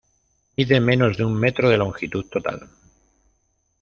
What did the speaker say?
Mide menos de un metro de longitud total.